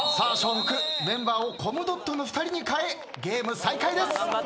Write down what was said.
北メンバーをコムドットの２人に代えゲーム再開です。